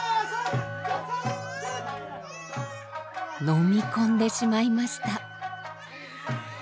飲み込んでしまいました。